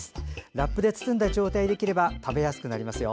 ラップで包んだ状態で切れば食べやすくなりますよ。